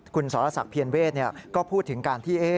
คุณสรษักเพียรเวศก็พูดถึงการที่